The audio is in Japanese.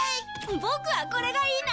ボクはこれがいいな。